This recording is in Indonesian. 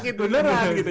sakit beneran gitu